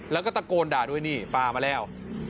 แล้วก็ตะโกนด่าด้วยนี่ป้ามาแล้ว